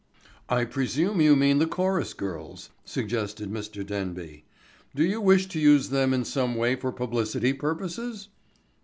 "I presume you mean the chorus girls," suggested Mr. Denby. "Do you wish to use them in some way for publicity purposes?"